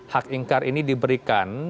hak ingkar ini diberikan